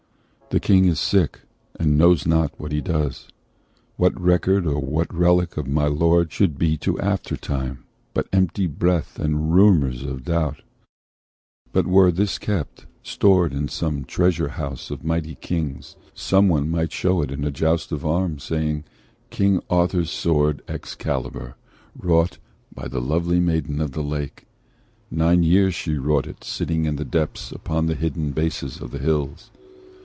The King is sick, and knows not what he does. What record, or what relic of my lord Should be to aftertime, but empty breath And rumours of a doubt? But were this kept, Stored in some treasure house of mighty kings, Some one might show it at a joust of arms, Saying, 'King Arthur's sword, Excalibur, Wrought by the lonely maiden of the Lake. Nine years she wrought it, sitting in the deeps Upon the hidden bases of the hills.